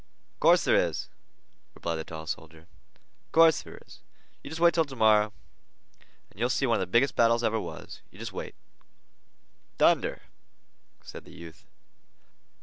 "Of course there is," replied the tall soldier. "Of course there is. You jest wait 'til to morrow, and you'll see one of the biggest battles ever was. You jest wait." "Thunder!" said the youth.